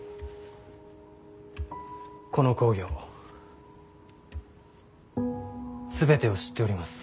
この公暁全てを知っております。